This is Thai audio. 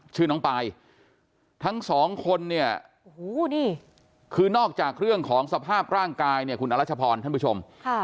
ชื่อน้องปายทั้งสองคนเนี่ยโอ้โหนี่คือนอกจากเรื่องของสภาพร่างกายเนี่ยคุณอรัชพรท่านผู้ชม